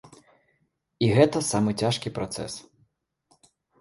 І гэта самы цяжкі працэс.